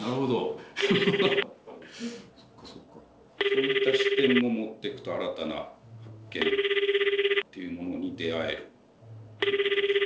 そういった視点も持ってくと新たな発見というものに出会えるということか。